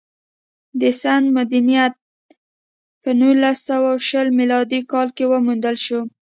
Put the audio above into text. د سند مدنیت په نولس سوه شل میلادي کال کې وموندل شو